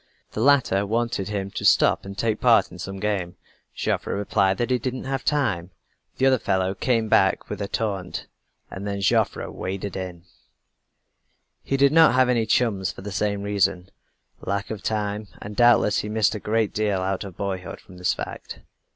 The latter wanted him to stop and take part in some game. Joffre replied that he didn't have time. The other fellow came back with a taunt and then Joseph "waded in." He did not have any chums for the same reason, lack of time, and doubtless he missed a great deal out of boyhood from this fact.